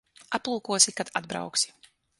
Aplūkosi, kad atbrauksi.